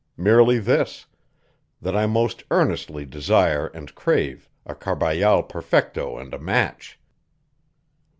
Merely this: that I most earnestly desire and crave a Carbajal perfecto and a match."